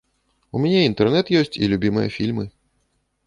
У мяне інтэрнэт ёсць і любімыя фільмы.